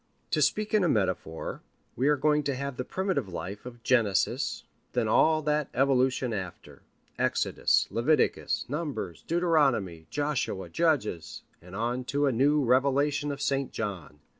To speak in a metaphor, we are going to have the primitive life of Genesis, then all that evolution after: Exodus, Leviticus, Numbers, Deuteronomy, Joshua, Judges, and on to a new revelation of St. John.